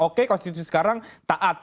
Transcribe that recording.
oke konstitusi sekarang taat